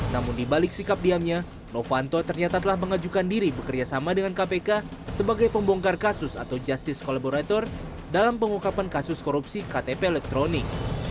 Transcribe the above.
namun dibalik sikap diamnya novanto ternyata telah mengajukan diri bekerjasama dengan kpk sebagai pembongkar kasus atau justice collaborator dalam pengukapan kasus korupsi ktp elektronik